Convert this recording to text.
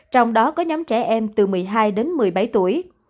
trong đó có nhóm trẻ em từ một mươi hai đến một mươi bảy tuổi